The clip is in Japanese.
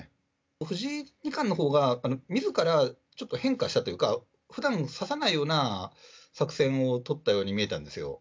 藤井二冠のほうが、みずからちょっと変化したというか、ふだん指さないような作戦を取ったように見えたんですよ。